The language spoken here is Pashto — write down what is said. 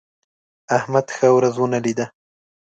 احمد ښه ورځ ونه لیده.